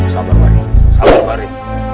sabar bareng sabar bareng